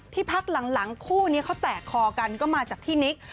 พักหลังคู่นี้เขาแตกคอกันก็มาจากพี่นิก